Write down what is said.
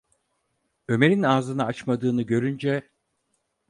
Ömer’in ağzını açmadığını görünce: